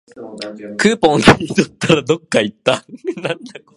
クーポン切り取ったら、どっかいった